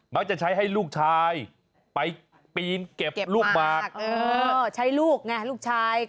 จะใช้ให้ลูกชายไปปีนเก็บลูกหมากใช้ลูกไงลูกชาย